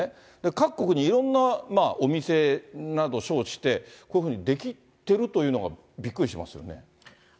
各国にいろんなお店などと称して、こういうふうにできてるというのがびっくりしますよね。